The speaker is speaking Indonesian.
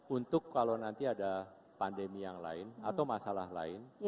untuk kalau nanti ada pandemi yang lain atau masalah lain